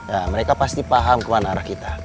ya mereka pasti paham kewan arah kita